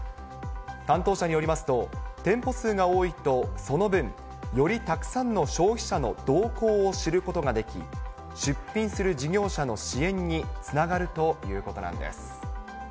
担当者によりますと、店舗数が多いとその分、よりたくさんの消費者の動向を知ることができ、出品する事業者の支援につながるということなんです。